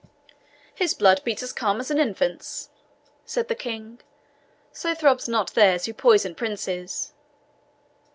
"His blood beats calm as an infant's," said the King; "so throbs not theirs who poison princes.